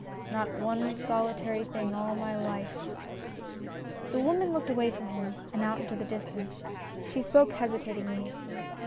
Not one solitary thing all my life." The woman looked away from him and out into the distance. She spoke hesitatingly.